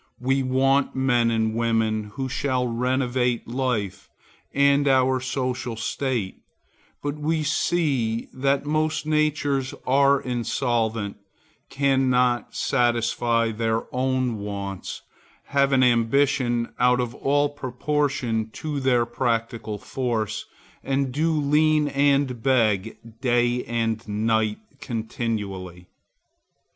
We want men and women who shall renovate life and our social state, but we see that most natures are insolvent, cannot satisfy their own wants, have an ambition out of all proportion to their practical force and do lean and beg day and night continually.